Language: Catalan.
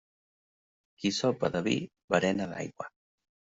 Qui sopa de vi berena d'aigua.